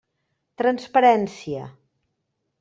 Transparència.